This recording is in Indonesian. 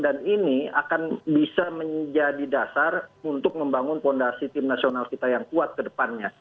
dan ini akan bisa menjadi dasar untuk membangun fondasi tim nasional kita yang kuat kedepannya